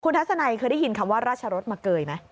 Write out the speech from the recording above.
ทัศนัยเคยได้ยินคำว่าราชรสมาเกยไหม